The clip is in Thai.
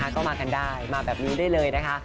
ก็มากันได้มาแบบนี้ได้เลยนะคะ